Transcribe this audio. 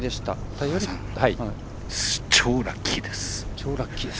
超ラッキーです。